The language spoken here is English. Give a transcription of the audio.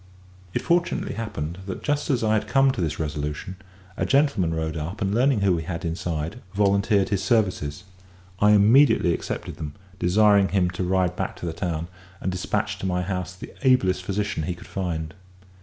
It fortunately happened that, just as I had come to this resolution, a gentleman rode up, and learning who we had inside, volunteered his services. I immediately accepted them, desiring him to ride back to the town, and despatch to my house the ablest physician he could find.